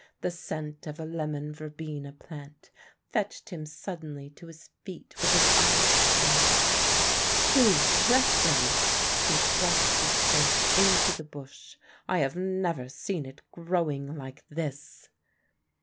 The scent of a lemon verbena plant fetched him suddenly to his feet with his eyes bright. "Please let me " he thrust his face into the bush; "I have never seen it growing like this."